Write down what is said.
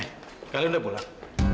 nih kalian udah pulang